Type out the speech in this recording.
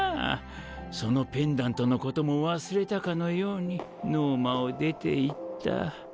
そのペンダントのことも忘れたかのようにノーマを出ていった。